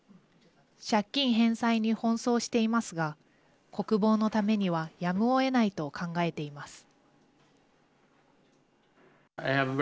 借金返済に奔走していますが国防のためにはやむをえないと考えています。